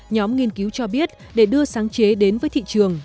nhóm nghiên cứu cho biết để đưa sáng chế đến với thị trường